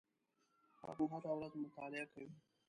هغه هره ورځ مطالعه کوي.